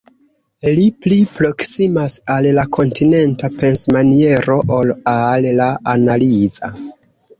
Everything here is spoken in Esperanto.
Li pli proksimas al la kontinenta pensmaniero ol al la analiza.